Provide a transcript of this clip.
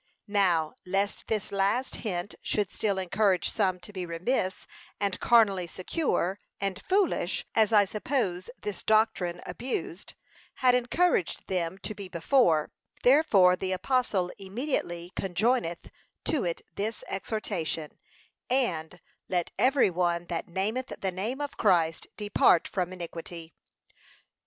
Now lest this last hint should still encourage some to be remiss and carnally secure, and foolish, as I suppose this doctrine abused, had encouraged them to be before; therefore the apostle immediately conjoineth to it this exhortation; 'And, let every one that nameth; the name of Christ depart from iniquity.'